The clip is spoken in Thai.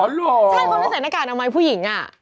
อ๋อเหรอใช่เขาไม่ใส่หน้ากากทำไมผู้หญิงอ่ะ